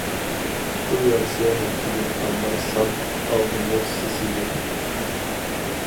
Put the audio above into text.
تۇتۇۋەرسە ھەپتىگە قالماي ساق ئالمىمۇ سېسىيدۇ.